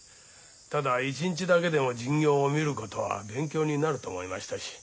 ただ一日だけでも巡業を見ることは勉強になると思いましたし。